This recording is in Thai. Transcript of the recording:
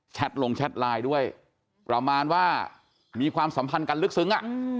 ลงแชทไลน์ด้วยประมาณว่ามีความสัมพันธ์กันลึกซึ้ง